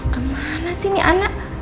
kamu kemana sih nih anak